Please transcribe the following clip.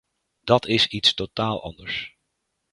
Dat is iets totaal anders.